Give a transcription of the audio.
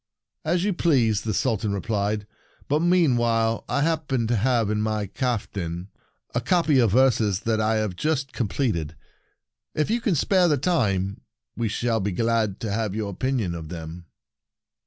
" As you please," the Sul tan replied. " But meanwhile I happen to have in my caftan a A New Office The Poem Again The Sultan's Bored copy of verses that I have just completed. If you can spare the time, we shall be glad to have your opinion of them."